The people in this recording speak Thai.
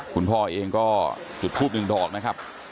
คุณพ่อเองก็จุดทูบหนึ่งดอกนะครับ